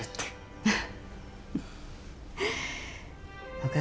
えっ？